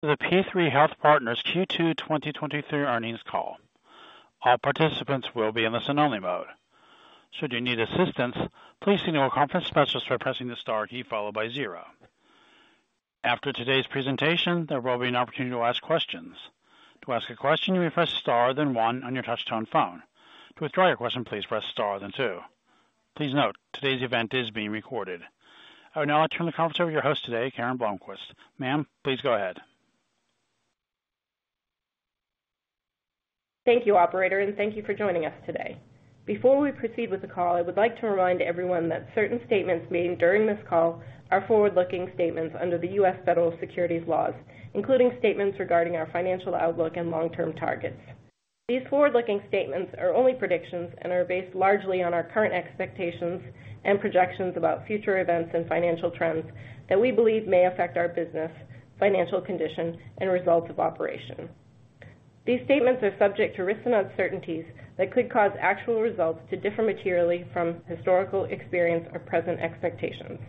The P3 Health Partners Q2 2023 earnings call. All participants will be in the listen-only mode. Should you need assistance, please signal a conference specialist by pressing the star key followed by zero. After today's presentation, there will be an opportunity to ask questions. To ask a question, you may press star, then one on your touchtone phone. To withdraw your question, please press star, then two. Please note, today's event is being recorded. I would now like to turn the conference over to your host today, Karen Blomquist. Ma'am, please go ahead. Thank you, operator, and thank you for joining us today. Before we proceed with the call, I would like to remind everyone that certain statements made during this call are forward-looking statements under the U.S. federal securities laws, including statements regarding our financial outlook and long-term targets. These forward-looking statements are only predictions and are based largely on our current expectations and projections about future events and financial trends that we believe may affect our business, financial condition, and results of operation. These statements are subject to risks and uncertainties that could cause actual results to differ materially from historical experience or present expectations.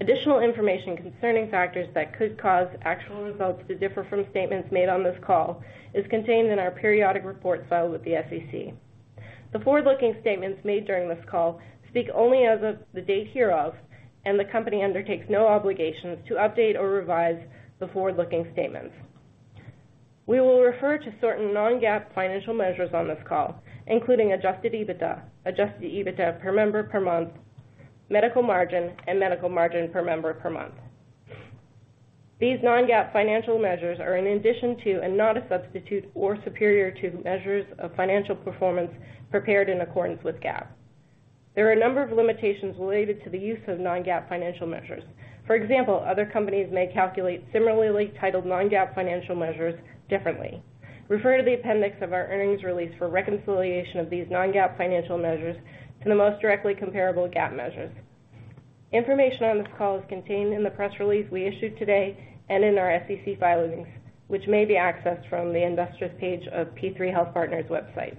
Additional information concerning factors that could cause actual results to differ from statements made on this call is contained in our periodic reports filed with the SEC. The forward-looking statements made during this call speak only as of the date hereof, and the Company undertakes no obligations to update or revise the forward-looking statements. We will refer to certain non-GAAP financial measures on this call, including Adjusted EBITDA, Adjusted EBITDA per member per month, medical margin, and medical margin per member per month. These non-GAAP financial measures are in addition to, and not a substitute or superior to, measures of financial performance prepared in accordance with GAAP. There are a number of limitations related to the use of non-GAAP financial measures. For example, other companies may calculate similarly titled non-GAAP financial measures differently. Refer to the appendix of our earnings release for reconciliation of these non-GAAP financial measures to the most directly comparable GAAP measures. Information on this call is contained in the press release we issued today and in our S.E.C. filings, which may be accessed from the Investors page of P3 Health Partners website.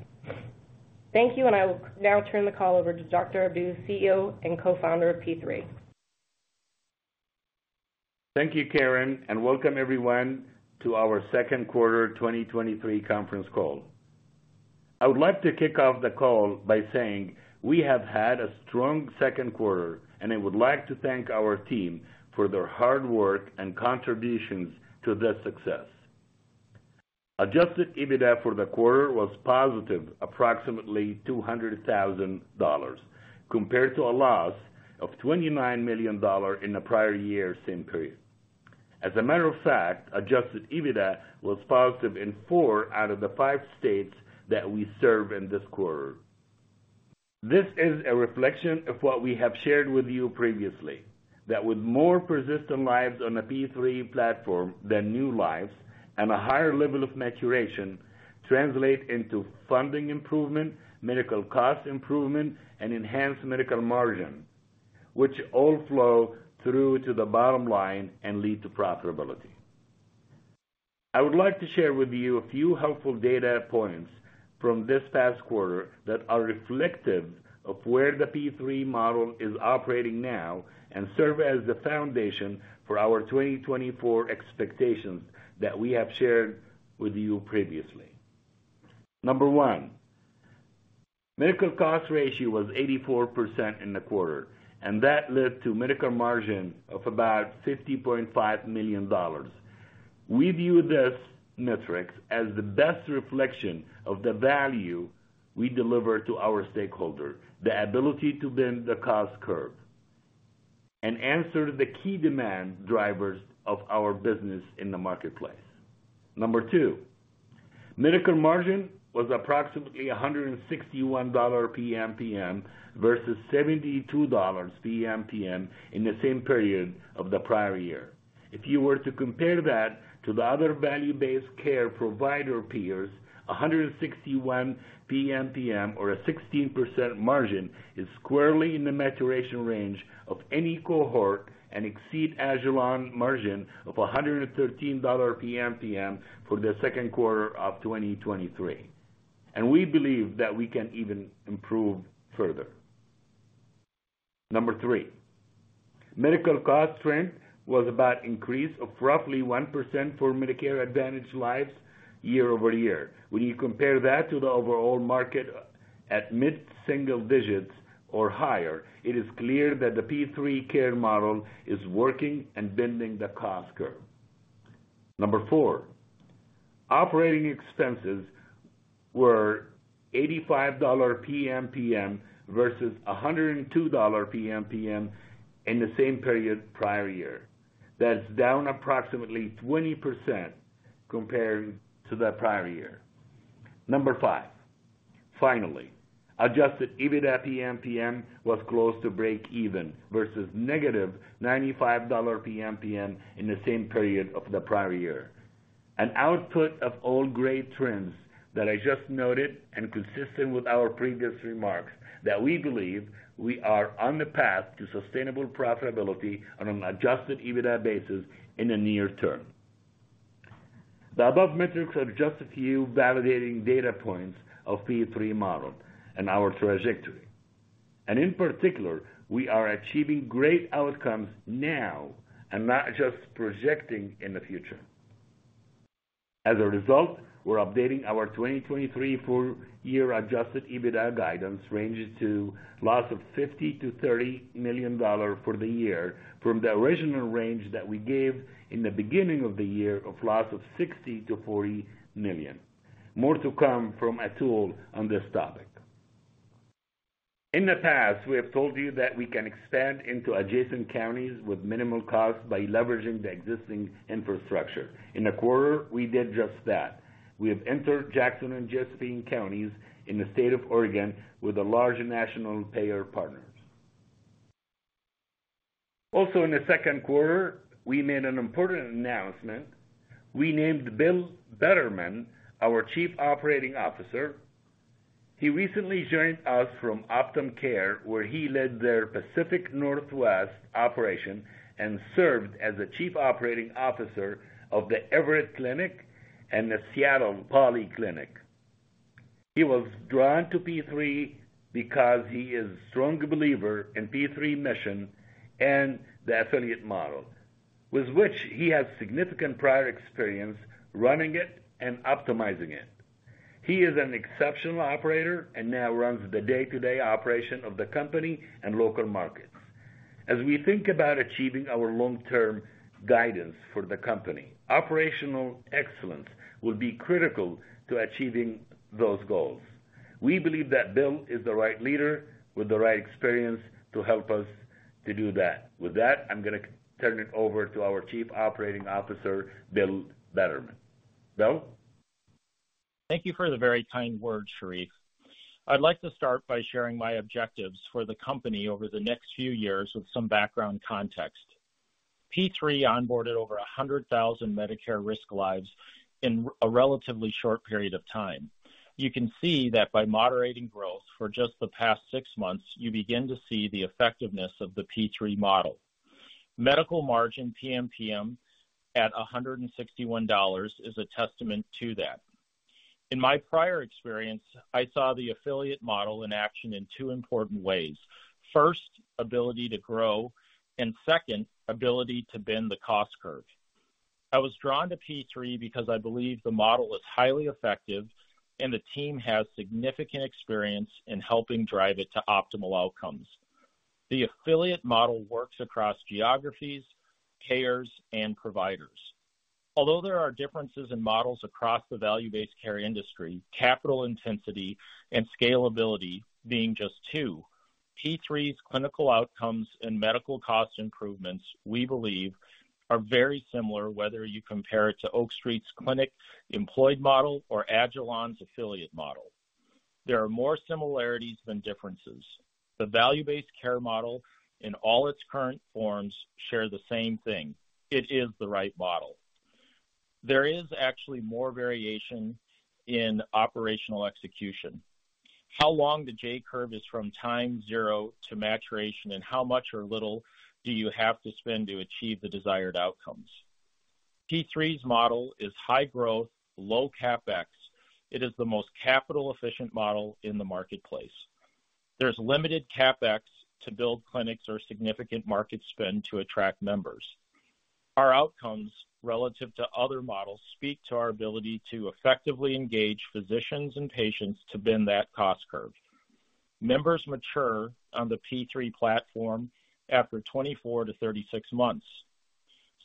Thank you, and I will now turn the call over to Dr. Abdou, CEO and Co-Founder of P3. Thank you, Karen. Welcome everyone to our second quarter 2023 conference call. I would like to kick off the call by saying we have had a strong second quarter, and I would like to thank our team for their hard work and contributions to this success. Adjusted EBITDA for the quarter was positive, approximately $200,000, compared to a loss of $29 million in the prior year, same period. As a matter of fact, Adjusted EBITDA was positive in four out of the five states that we serve in this quarter. This is a reflection of what we have shared with you previously, that with more persistent lives on a P3 platform than new lives, and a higher level of maturation, translate into funding improvement, medical cost improvement, and enhanced medical margin, which all flow through to the bottom line and lead to profitability. I would like to share with you a few helpful data points from this past quarter that are reflective of where the P3 model is operating now, and serve as the foundation for our 2024 expectations that we have shared with you previously. Number one, medical cost ratio was 84% in the quarter, and that led to medical margin of about $50.5 million. We view this metric as the best reflection of the value we deliver to our stakeholders, the ability to bend the cost curve and answer the key demand drivers of our business in the marketplace. Number two, medical margin was approximately $161 PMPM, versus $72 PMPM in the same period of the prior year. If you were to compare that to the other value-based care provider peers, $161 PMPM, or a 16% margin, is squarely in the maturation range of any cohort and exceeds Agilon margin of $113 PMPM for the 2Q 2023. We believe that we can even improve further. No. three, medical cost trend was about increase of roughly 1% for Medicare Advantage lives year-over-year. When you compare that to the overall market at mid-single digits or higher, it is clear that the P3 care model is working and bending the cost curve. No. 4, operating expenses were $85 PMPM, versus $102 PMPM in the same period prior year. That's down approximately 20% compared to the prior year. Number five, finally, Adjusted EBITDA PMPM was close to breakeven versus negative $95 PMPM in the same period of the prior year. An output of all great trends that I just noted, and consistent with our previous remarks, that we believe we are on the path to sustainable profitability on an Adjusted EBITDA basis in the near term. The above metrics are just a few validating data points of P3 model and our trajectory. In particular, we are achieving great outcomes now and not just projecting in the future. As a result, we're updating our 2023 full year Adjusted EBITDA guidance ranges to loss of $50 million-$30 million for the year from the original range that we gave in the beginning of the year of loss of $60 million-$40 million. More to come from Atul on this topic. In the past, we have told you that we can expand into adjacent counties with minimal cost by leveraging the existing infrastructure. In the quarter, we did just that. We have entered Jackson and Josephine counties in the state of Oregon with a large national payer partners. Also, in the second quarter, we made an important announcement. We named Bill Bettermann our Chief Operating Officer. He recently joined us from Optum Care, where he led their Pacific Northwest operation and served as the Chief Operating Officer of The Everett Clinic and The Seattle Polyclinic. He was drawn to P3 because he is a strong believer in P3 mission and the affiliate model, with which he has significant prior experience running it and optimizing it. He is an exceptional operator and now runs the day-to-day operation of the company and local markets. As we think about achieving our long-term guidance for the company, operational excellence will be critical to achieving those goals. We believe that Bill is the right leader with the right experience to help us to do that. With that, I'm going to turn it over to our Chief Operating Officer, Bill Bettermann. Bill? Thank you for the very kind words, Sherif. I'd like to start by sharing my objectives for the company over the next few years with some background context. P3 onboarded over 100,000 Medicare risk lives in a relatively short period of time. You can see that by moderating growth for just the past six months, you begin to see the effectiveness of the P3 model. Medical margin PMPM at $161 is a testament to that. In my prior experience, I saw the affiliate model in action in two important ways. First, ability to grow, and second, ability to bend the cost curve. I was drawn to P3 because I believe the model is highly effective and the team has significant experience in helping drive it to optimal outcomes. The affiliate model works across geographies, payers, and providers. Although there are differences in models across the value-based care industry, capital intensity and scalability being just two, P3's clinical outcomes and medical cost improvements, we believe, are very similar, whether you compare it to Oak Street's clinic employed model or Agilon's affiliate model. There are more similarities than differences. The value-based care model in all its current forms share the same thing. It is the right model. There is actually more variation in operational execution. How long the J curve is from time zero to maturation, and how much or little do you have to spend to achieve the desired outcomes? P3's model is high growth, low CapEx. It is the most capital-efficient model in the marketplace. There's limited CapEx to build clinics or significant market spend to attract members. Our outcomes, relative to other models, speak to our ability to effectively engage physicians and patients to bend that cost curve. Members mature on the P3 platform after 24-36 months.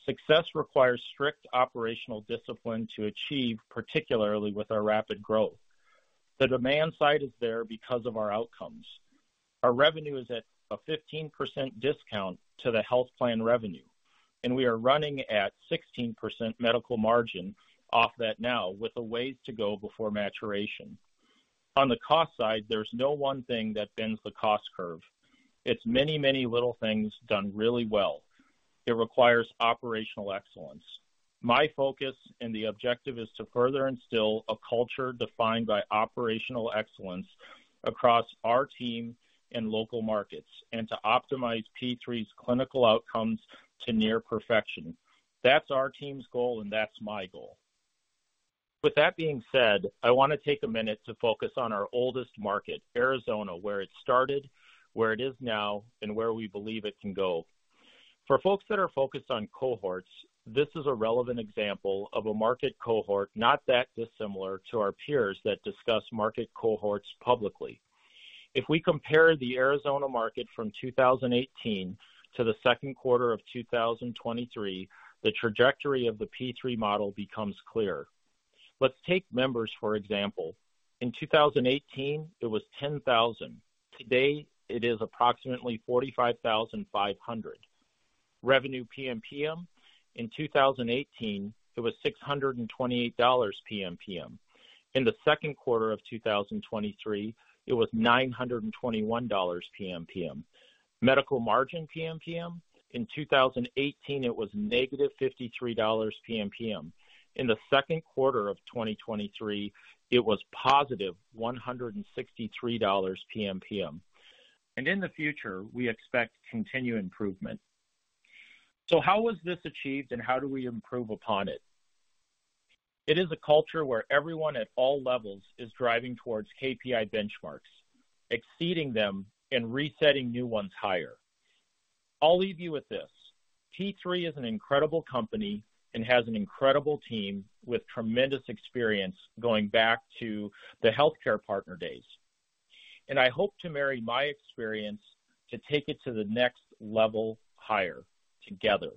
Success requires strict operational discipline to achieve, particularly with our rapid growth. The demand side is there because of our outcomes. Our revenue is at a 15% discount to the health plan revenue, and we are running at 16% medical margin off that now, with a ways to go before maturation. On the cost side, there's no one thing that bends the cost curve. It's many, many little things done really well. It requires operational excellence. My focus and the objective is to further instill a culture defined by operational excellence across our team and local markets, and to optimize P3's clinical outcomes to near perfection. That's our team's goal, and that's my goal. With that being said, I want to take a minute to focus on our oldest market, Arizona, where it started, where it is now, and where we believe it can go. For folks that are focused on cohorts, this is a relevant example of a market cohort, not that dissimilar to our peers that discuss market cohorts publicly. If we compare the Arizona market from 2018 to the second quarter of 2023, the trajectory of the P3 model becomes clear. Let's take members, for example. In 2018, it was 10,000. Today, it is approximately 45,500. Revenue PMPM. In 2018, it was $628 PMPM. In the second quarter of 2023, it was $921 PMPM. Medical margin PMPM. In 2018, it was -$53 PMPM. In the second quarter of 2023, it was positive $163 PMPM. In the future, we expect continued improvement. How was this achieved and how do we improve upon it? It is a culture where everyone at all levels is driving towards KPI benchmarks, exceeding them, and resetting new ones higher. I'll leave you with this, P3 is an incredible company and has an incredible team with tremendous experience going back to the HealthCare Partners days, and I hope to marry my experience to take it to the next level higher together.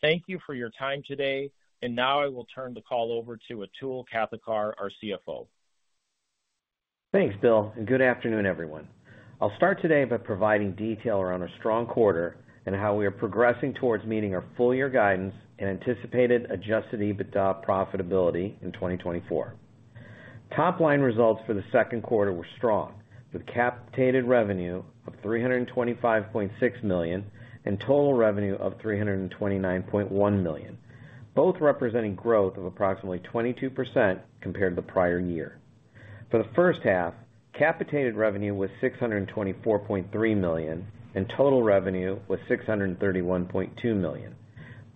Thank you for your time today, and now I will turn the call over to Atul Kathpal, our CFO. Thanks, Bill, and good afternoon, everyone. I'll start today by providing detail around our strong quarter and how we are progressing towards meeting our full year guidance and anticipated Adjusted EBITDA profitability in 2024. Top-line results for the second quarter were strong, with capitated revenue of $325.6 million and total revenue of $329.1 million, both representing growth of approximately 22% compared to the prior year. For the first half, capitated revenue was $624.3 million, and total revenue was $631.2 million,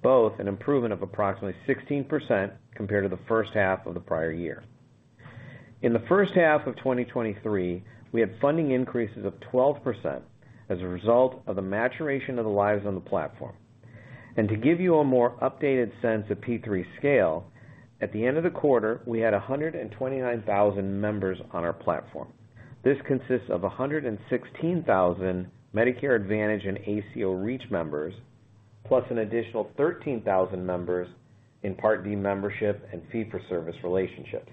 both an improvement of approximately 16% compared to the first half of the prior year. In the first half of 2023, we had funding increases of 12% as a result of the maturation of the lives on the platform. To give you a more updated sense of P3 scale, at the end of the quarter, we had 129,000 members on our platform. This consists of 116,000 Medicare Advantage and ACO REACH members, plus an additional 13,000 members in Part D membership and fee-for-service relationships.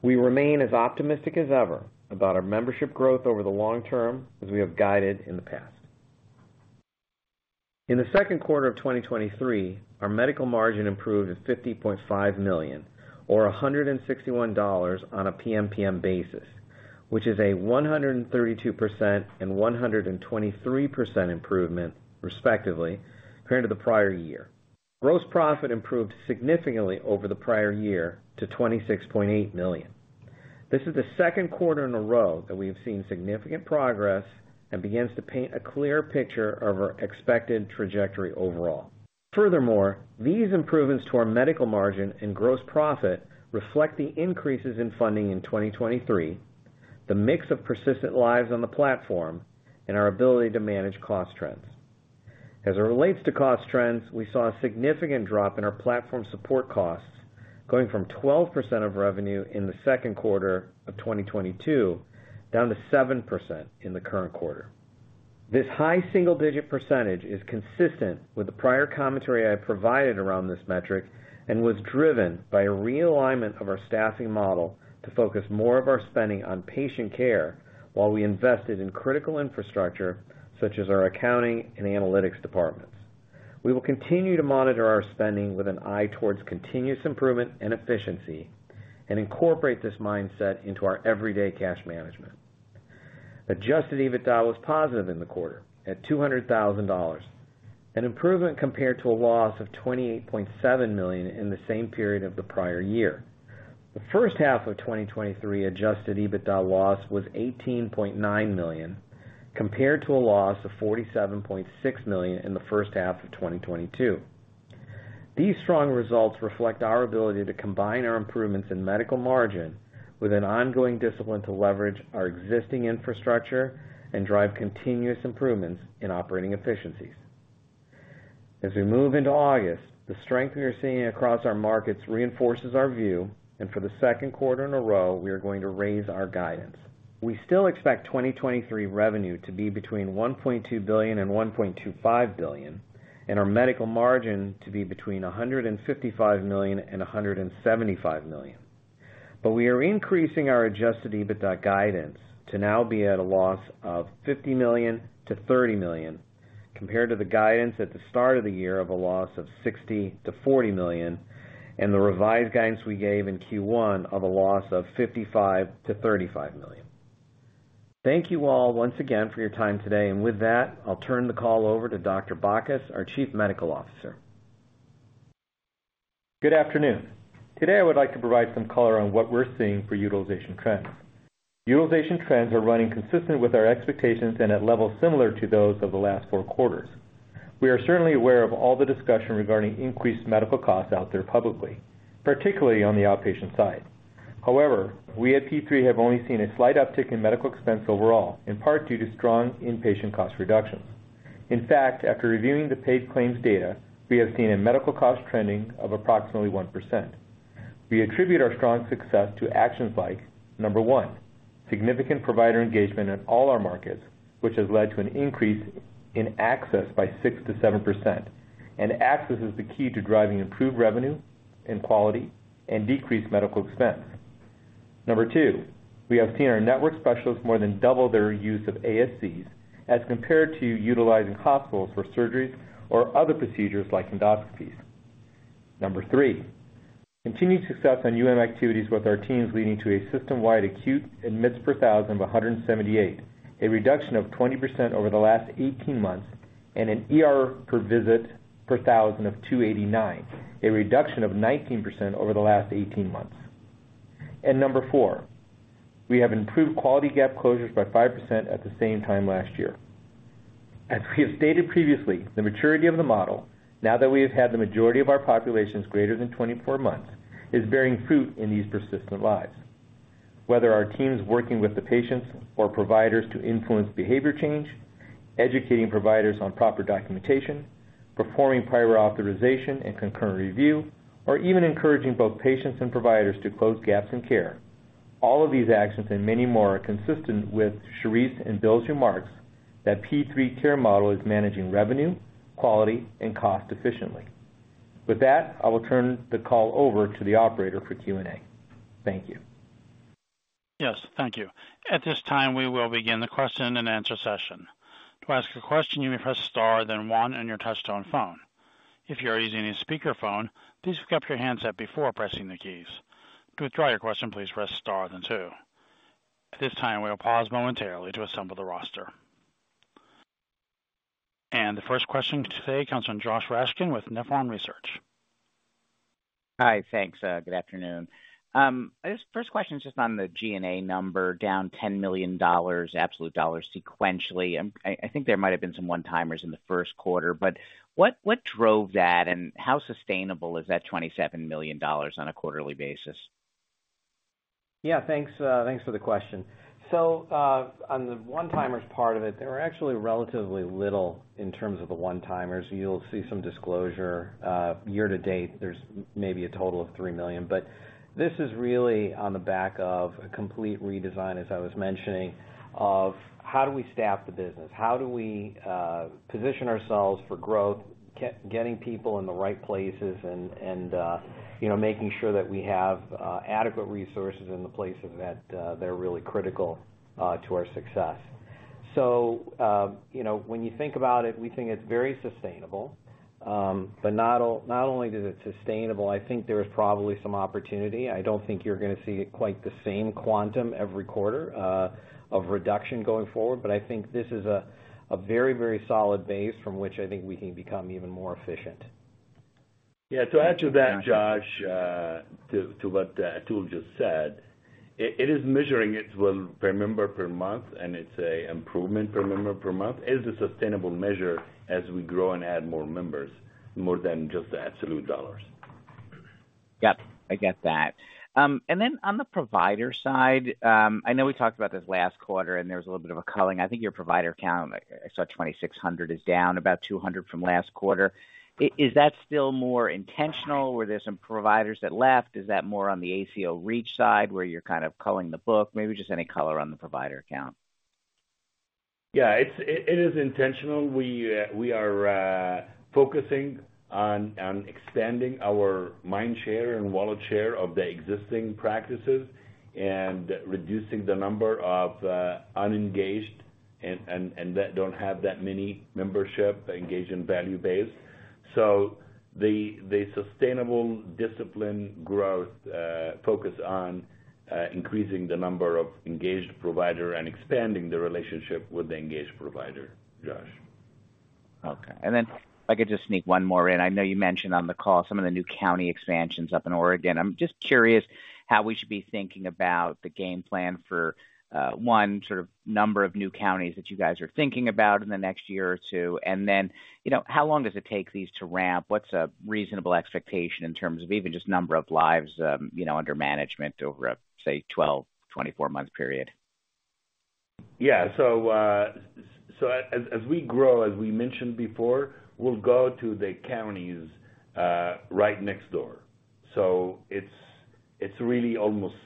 We remain as optimistic as ever about our membership growth over the long term as we have guided in the past. In the second quarter of 2023, our medical margin improved to $50.5 million, or $161 on a PMPM basis, which is a 132% and 123% improvement, respectively, compared to the prior year. Gross profit improved significantly over the prior year to $26.8 million. This is the second quarter in a row that we have seen significant progress and begins to paint a clear picture of our expected trajectory overall. These improvements to our medical margin and gross profit reflect the increases in funding in 2023, the mix of persistent lives on the platform, and our ability to manage cost trends. As it relates to cost trends, we saw a significant drop in our platform support costs, going from 12% of revenue in the second quarter of 2022, down to 7% in the current quarter. This high single-digit % is consistent with the prior commentary I have provided around this metric and was driven by a realignment of our staffing model to focus more of our spending on patient care while we invested in critical infrastructure, such as our accounting and analytics departments. We will continue to monitor our spending with an eye towards continuous improvement and efficiency and incorporate this mindset into our everyday cash management. Adjusted EBITDA was positive in the quarter at $200,000, an improvement compared to a loss of $28.7 million in the same period of the prior year. The first half of 2023 Adjusted EBITDA loss was $18.9 million, compared to a loss of $47.6 million in the first half of 2022. These strong results reflect our ability to combine our improvements in medical margin with an ongoing discipline to leverage our existing infrastructure and drive continuous improvements in operating efficiencies. As we move into August, the strength we are seeing across our markets reinforces our view, and for the second quarter in a row, we are going to raise our guidance. We still expect 2023 revenue to be between $1.2 billion and $1.25 billion, and our medical margin to be between $155 million and $175 million. We are increasing our Adjusted EBITDA guidance to now be at a loss of $50 million-$30 million, compared to the guidance at the start of the year of a loss of $60 million-$40 million, and the revised guidance we gave in Q1 of a loss of $55 million-$35 million. Thank you all once again for your time today. With that, I'll turn the call over to Dr. Bacchus, our Chief Medical Officer. Good afternoon. Today, I would like to provide some color on what we're seeing for utilization trends. Utilization trends are running consistent with our expectations and at levels similar to those of the last 4 quarters. We are certainly aware of all the discussion regarding increased medical costs out there publicly, particularly on the outpatient side. We at P3 have only seen a slight uptick in medical expense overall, in part due to strong inpatient cost reductions. In fact, after reviewing the paid claims data, we have seen a medical cost trending of approximately 1%. We attribute our strong success to actions like, number one, significant provider engagement in all our markets, which has led to an increase in access by 6%-7%, and access is the key to driving improved revenue and quality and decreased medical expense. Number two, we have seen our network specialists more than double their use of ASCs as compared to utilizing hospitals for surgeries or other procedures like endoscopies. Number three, continued success on UM activities with our teams, leading to a system-wide acute admits per thousand of 178, a reduction of 20% over the last 18 months, and an ER per visit per thousand of 289, a reduction of 19% over the last 18 months. Number four, we have improved quality gap closures by 5% at the same time last year. As we have stated previously, the maturity of the model, now that we have had the majority of our populations greater than 24 months, is bearing fruit in these persistent lives. Whether our team's working with the patients or providers to influence behavior change, educating providers on proper documentation, performing prior authorization and concurrent review, or even encouraging both patients and providers to close gaps in care, all of these actions and many more, are consistent with Sherif and Bill's remarks, that P3 care model is managing revenue, quality, and cost efficiently. With that, I will turn the call over to the operator for Q&A. Thank you. Yes, thank you. At this time, we will begin the question-and-answer session. To ask a question, you may press star, then one on your touchtone phone. If you are using a speakerphone, please pick up your handset before pressing the keys. To withdraw your question, please press star then two. At this time, we'll pause momentarily to assemble the roster. The first question today comes from Josh Raskin with Nephron Research. Hi, thanks. Good afternoon. This first question is just on the G&A number, down $10 million, absolute dollars sequentially. I, I think there might have been some one-timers in the first quarter, but what, what drove that, and how sustainable is that $27 million on a quarterly basis? Yeah, thanks, thanks for the question. On the one-timers part of it, there are actually relatively little in terms of the one-timers. You'll see some disclosure. Year to date, there's maybe a total of $3 million, but this is really on the back of a complete redesign, as I was mentioning, of how do we staff the business? How do we position ourselves for growth, getting people in the right places and, and, you know, making sure that we have adequate resources in the places that are really critical to our success. You know, when you think about it, we think it's very sustainable. Not only is it sustainable, I think there is probably some opportunity. I don't think you're going to see quite the same quantum every quarter, of reduction going forward, but I think this is a, a very, very solid base from which I think we can become even more efficient. Yeah, to add to that, Josh, to, to what, Atul just said, it, it is measuring it well per member per month, and it's a improvement per member per month. It is a sustainable measure as we grow and add more members, more than just the absolute dollars. Got it. I get that. Then on the provider side, I know we talked about this last quarter, and there was a little bit of a culling. I think your provider count, I, I saw 2,600, is down about 200 from last quarter. Is that still more intentional, where there's some providers that left? Is that more on the ACO REACH side, where you're kind of culling the book? Maybe just any color on the provider count. Yeah, it's, it, it is intentional. We, we are focusing on, on extending our mind share and wallet share of the existing practices and reducing the number of unengaged and, and, and that don't have that many membership engaged in value base. The, the sustainable discipline growth, focus on increasing the number of engaged provider and expanding the relationship with the engaged provider, Josh. Okay. If I could just sneak one more in. I know you mentioned on the call some of the new county expansions up in Oregon. I'm just curious how we should be thinking about the game plan for, 1, sort of number of new counties that you guys are thinking about in the next year or two. Then, you know, how long does it take these to ramp? What's a reasonable expectation in terms of even just number of lives, you know, under management over a, say, 12, 24-month period? Yeah. As, as we grow, as we mentioned before, we'll go to the counties right next door. It's, it's really almost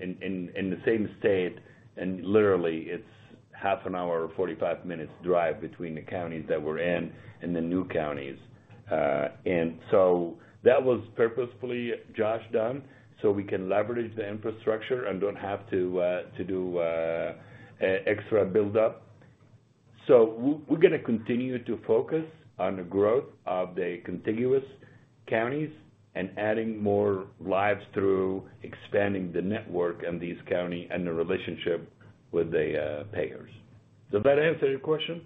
in, in the same state, and literally, it's half an hour or 45 minutes drive between the counties that we're in and the new counties. That was purposefully, Josh, done, so we can leverage the infrastructure and don't have to do extra build up. We, we're going to continue to focus on the growth of the contiguous counties and adding more lives through expanding the network in these county and the relationship with the payers. Does that answer your question?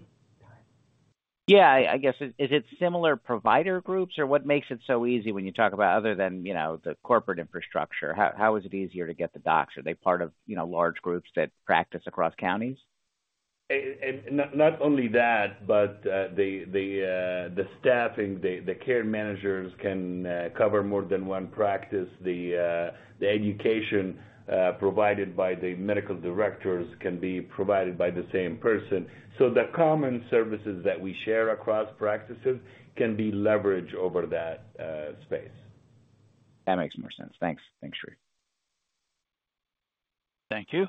Yeah. I, I guess, is it similar provider groups, or what makes it so easy when you talk about, other than, you know, the corporate infrastructure? How, how is it easier to get the docs? Are they part of, you know, large groups that practice across counties? the staffing, the care managers can cover more than one practice. The education provided by the medical directors can be provided by the same person. So the common services that we share across practices can be leveraged over that space That makes more sense. Thanks. Thanks, Sherif. Thank you.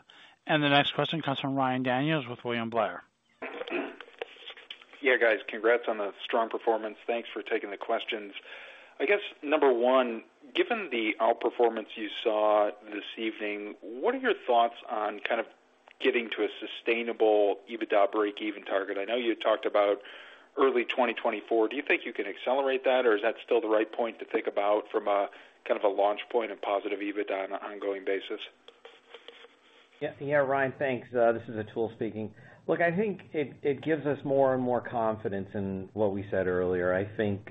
The next question comes from Ryan Daniels with William Blair. Yeah, guys, congrats on the strong performance. Thanks for taking the questions. I guess, number one, given the outperformance you saw this evening, what are your thoughts on kind of getting to a sustainable EBITDA breakeven target? I know you talked about early 2024. Do you think you can accelerate that, or is that still the right point to think about from a kind of a launch point of positive EBITDA on an ongoing basis? Yeah, Ryan, thanks. This is Atul speaking. Look, I think it, it gives us more and more confidence in what we said earlier. I think,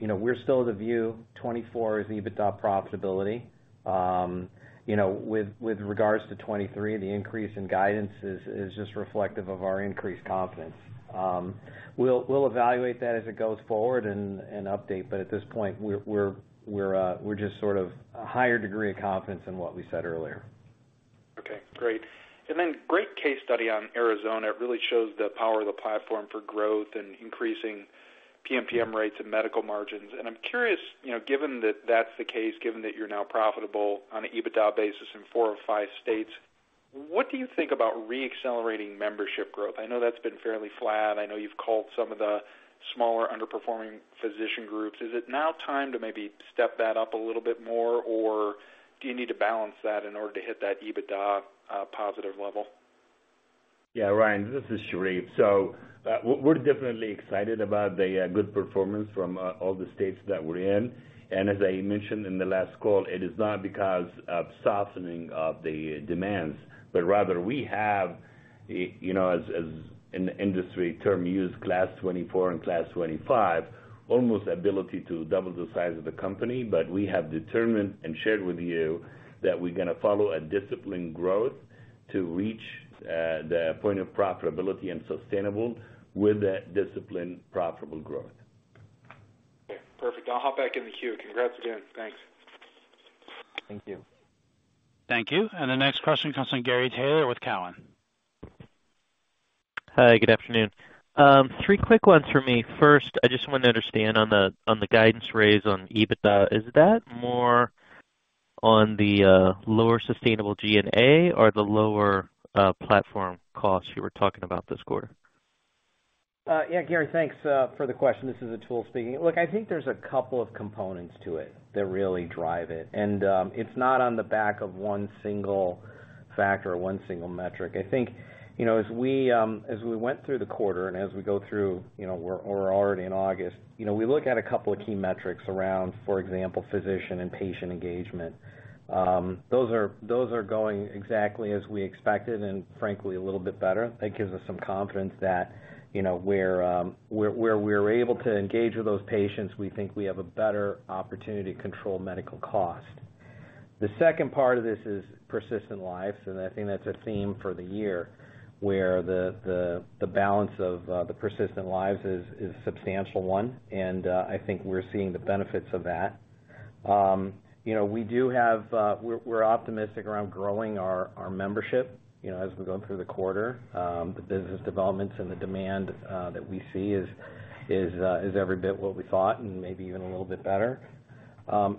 you know, we're still of the view 2024 is EBITDA profitability. You know, with, with regards to 2023, the increase in guidance is, is just reflective of our increased confidence. We'll, we'll evaluate that as it goes forward and, and update, but at this point, we're, we're, we're just sort of a higher degree of confidence in what we said earlier. Okay, great. Great case study on Arizona. It really shows the power of the platform for growth and increasing PMPM rates and medical margins. I'm curious, you know, given that that's the case, given that you're now profitable on an EBITDA basis in four of five states, what do you think about reaccelerating membership growth? I know that's been fairly flat. I know you've culled some of the smaller, underperforming physician groups. Is it now time to maybe step that up a little bit more, or do you need to balance that in order to hit that EBITDA positive level? Yeah, Ryan, this is Sherif. We're, we're definitely excited about the good performance from all the states that we're in. As I mentioned in the last call, it is not because of softening of the demands, but rather we have, you know, as an industry term used, Class 24 and Class 25, almost ability to double the size of the company. We have determined and shared with you that we're going to follow a disciplined growth to reach the point of profitability and sustainable with a disciplined, profitable growth. Okay, perfect. I'll hop back in the queue. Congrats again. Thanks. Thank you. Thank you. The next question comes from Gary Taylor with Cowen. Hi, good afternoon. Three quick ones for me. First, I just wanted to understand on the, on the guidance raise on EBITDA, is that more on the lower sustainable G&A or the lower platform costs you were talking about this quarter? Yeah, Gary, thanks for the question. This is Atul speaking. Look, I think there's a couple of components to it that really drive it, and it's not on the back of one single factor or one single metric. I think, you know, as we went through the quarter and as we go through, you know, we're already in August, you know, we look at a couple of key metrics around, for example, physician and patient engagement. Those are, those are going exactly as we expected, and frankly, a little bit better. That gives us some confidence that, you know, where, where, where we're able to engage with those patients, we think we have a better opportunity to control medical cost. The second part of this is persistent lives, and I think that's a theme for the year, where the, the, the balance of the persistent lives is, is a substantial one, and I think we're seeing the benefits of that. You know, we do have... we're, we're optimistic around growing our, our membership, you know, as we go through the quarter. The business developments and the demand that we see is, is, is every bit what we thought and maybe even a little bit better.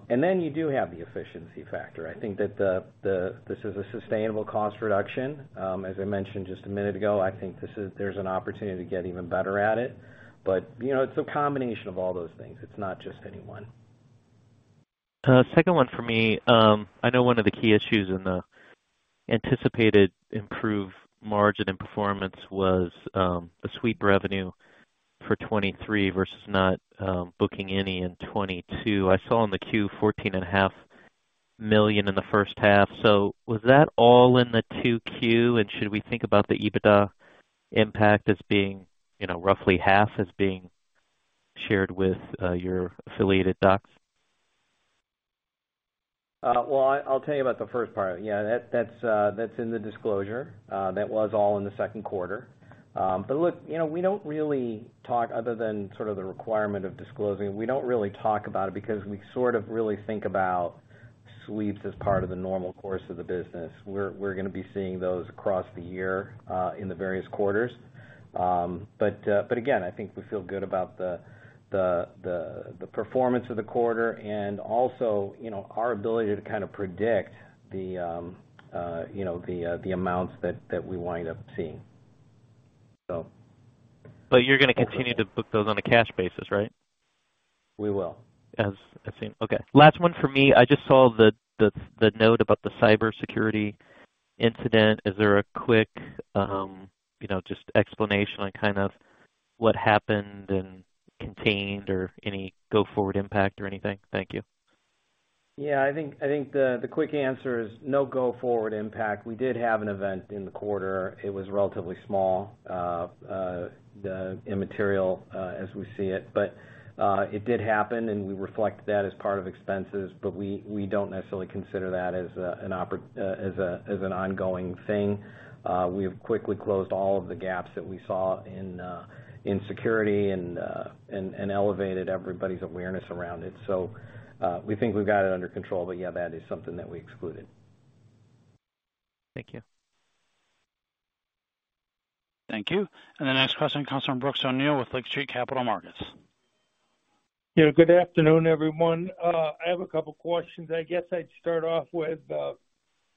Then you do have the efficiency factor. I think that the, the, this is a sustainable cost reduction. As I mentioned just a minute ago, I think this is, there's an opportunity to get even better at it. You know, it's a combination of all those things. It's not just any one. Second one for me. I know one of the key issues in the anticipated improved margin and performance was a sweep revenue for 2023 versus not booking any in 2022. I saw in the Q, $14.5 million in the first half. Was that all in the 2Q? Should we think about the EBITDA impact as being, you know, roughly 50% as being shared with your affiliated docs? Well, I, I'll tell you about the first part. Yeah, that, that's, that's in the disclosure. That was all in the second quarter. Look, you know, we don't really talk other than sort of the requirement of disclosing. We don't really talk about it because we sort of really think about sweeps as part of the normal course of the business. We're, we're going to be seeing those across the year, in the various quarters. Again, I think we feel good about the, the, the, the performance of the quarter and also, you know, our ability to kind of predict the, you know, the, the amounts that, that we wind up seeing. So. You're going to continue to book those on a cash basis, right? We will. Okay, last one for me. I just saw the, the, the note about the cybersecurity incident. Is there a quick, you know, just explanation on kind of what happened and contained or any go-forward impact or anything? Thank you. Yeah, I think, I think the, the quick answer is no go-forward impact. We did have an event in the quarter. It was relatively small, immaterial, as we see it. It did happen, and we reflect that as part of expenses, but we, we don't necessarily consider that as, as a, as an ongoing thing. We have quickly closed all of the gaps that we saw in security and, and, and elevated everybody's awareness around it. We think we've got it under control, but yeah, that is something that we excluded. Thank you. Thank you. The next question comes from Brooks O'Neil with Lake Street Capital Markets. Yeah, good afternoon, everyone. I have a couple questions. I guess I'd start off with,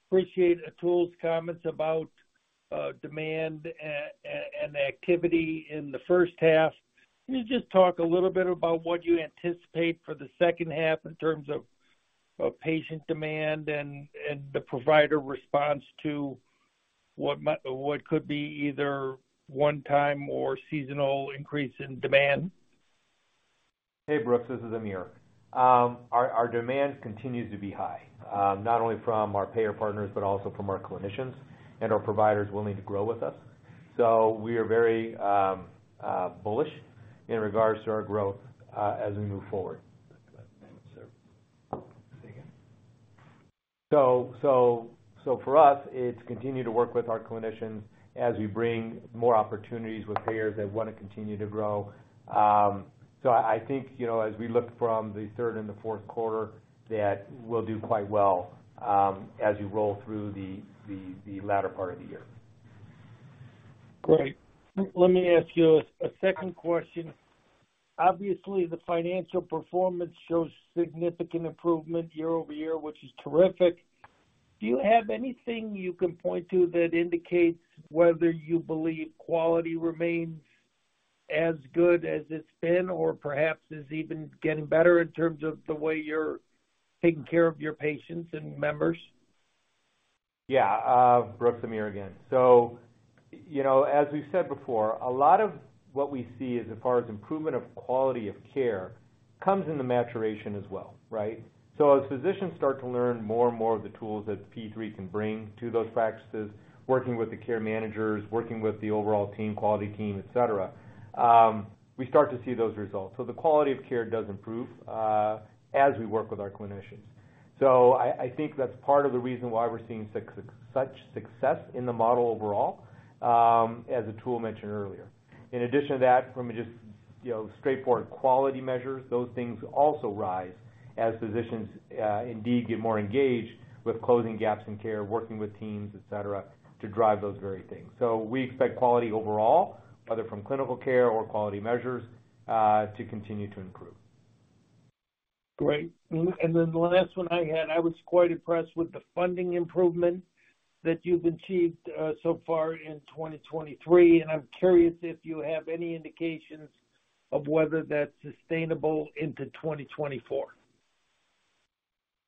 appreciate Atul's comments about demand and activity in the first half. Can you just talk a little bit about what you anticipate for the second half in terms of, of patient demand and, and the provider response to what could be either one time or seasonal increase in demand? Hey, Brooks, this is Amir. Our, our demand continues to be high, not only from our payer partners, but also from our clinicians and our providers willing to grow with us. We are very bullish in regards to our growth, as we move forward. For us, it's continue to work with our clinicians as we bring more opportunities with payers that wanna continue to grow. I, I think, you know, as we look from the third and the fourth quarter, that we'll do quite well, as you roll through the, the, the latter part of the year. Great. Let me ask you a second question. Obviously, the financial performance shows significant improvement year-over-year, which is terrific. Do you have anything you can point to that indicates whether you believe quality remains as good as it's been, or perhaps is even getting better in terms of the way you're taking care of your patients and members? Yeah, Brooks, Amir again. You know, as we've said before, a lot of what we see as far as improvement of quality of care, comes in the maturation as well, right? As physicians start to learn more and more of the tools that P3 can bring to those practices, working with the care managers, working with the overall team, quality team, et cetera, we start to see those results. The quality of care does improve as we work with our clinicians. I, I think that's part of the reason why we're seeing such success in the model overall, as Atul mentioned earlier. In addition to that, from just, you know, straightforward quality measures, those things also rise as physicians indeed get more engaged with closing gaps in care, working with teams, et cetera, to drive those very things. We expect quality overall, whether from clinical care or quality measures, to continue to improve. Great. The last one I had, I was quite impressed with the funding improvement that you've achieved, so far in 2023, and I'm curious if you have any indications of whether that's sustainable into 2024.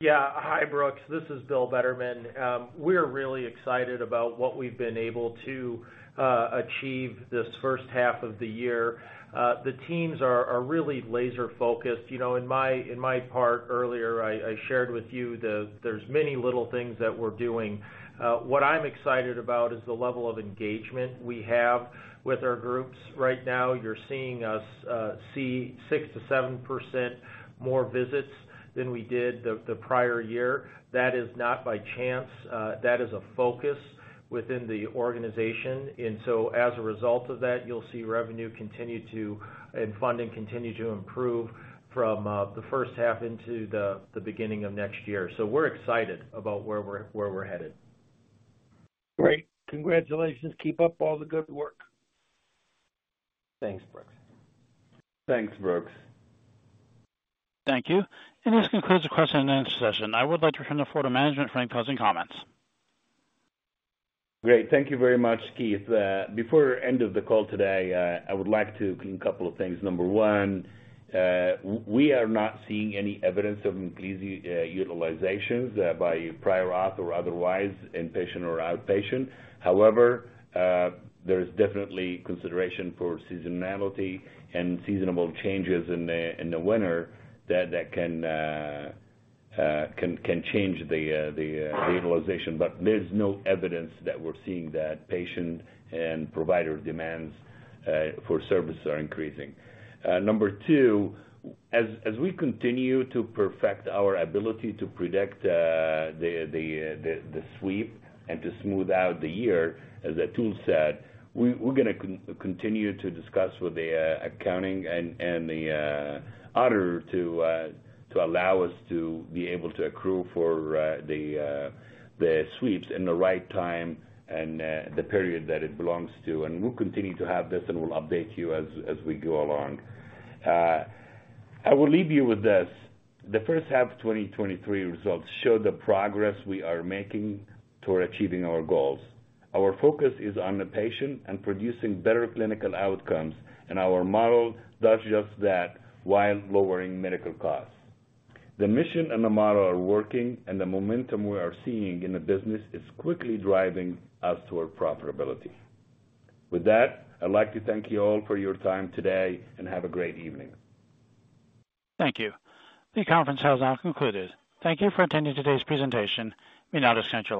Yeah. Hi, Brooks, this is Bill Betterman. We're really excited about what we've been able to achieve this first half of the year. The teams are really laser-focused. You know, in my, in my part earlier, I, I shared with you there's many little things that we're doing. What I'm excited about is the level of engagement we have with our groups. Right now, you're seeing us see 6%-7% more visits than we did the prior year. That is not by chance, that is a focus within the organization. As a result of that, you'll see revenue continue to, and funding continue to improve from the first half into the beginning of next year. We're excited about where we're headed. Great. Congratulations. Keep up all the good work. Thanks, Brooks. Thanks, Brooks. Thank you. This concludes the question and answer session. I would like to return the floor to management for any closing comments. Great. Thank you very much, Keith. Before end of the call today, I would like to clean a couple of things. Number one, we are not seeing any evidence of increased utilizations by prior auth or otherwise, in-patient or outpatient. However, there is definitely consideration for seasonality and seasonable changes in the, in the winter that, that can, can change the utilization. There's no evidence that we're seeing that patient and provider demands for services are increasing. Number two, as, as we continue to perfect our ability to predict the sweep and to smooth out the year, as Atul said, we're going to continue to discuss with the accounting and the auditor to allow us to be able to accrue for the sweeps in the right time and the period that it belongs to. And we'll continue to have this, and we'll update you as, as we go along. I will leave you with this. The first half of 2023 results show the progress we are making toward achieving our goals. Our focus is on the patient and producing better clinical outcomes, and our model does just that while lowering medical costs. The mission and the model are working, and the momentum we are seeing in the business is quickly driving us toward profitability. With that, I'd like to thank you all for your time today, and have a great evening. Thank you. The conference has now concluded. Thank you for attending today's presentation. You may now disconnect your lines.